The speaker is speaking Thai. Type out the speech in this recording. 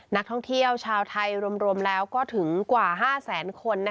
นักท่องเที่ยวชาวไทยรวมแล้วก็ถึงกว่า๕แสนคน